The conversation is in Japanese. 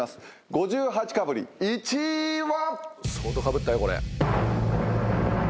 ５８かぶり１位は？